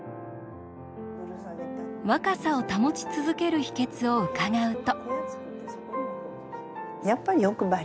若さを保ち続ける秘けつをうかがうと。